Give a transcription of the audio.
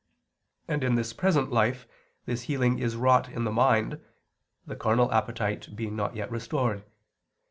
And in the present life this healing is wrought in the mind the carnal appetite being not yet restored.